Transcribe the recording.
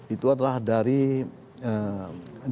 itu adalah dari komnas